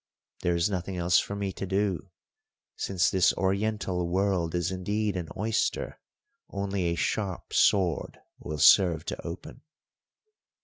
There is nothing else for me to do, since this Oriental world is indeed an oyster only a sharp sword will serve to open.